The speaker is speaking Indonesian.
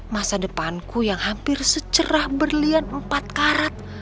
masa depanku yang hampir secerah berlian empat karat